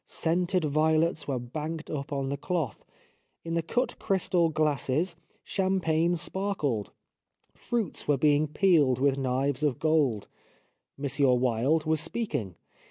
Scented violets were banked up on the cloth. In the cut crystal glasses champagne sparkled ; fruits were being peeled with knives of gold. M. Wilde was speaking.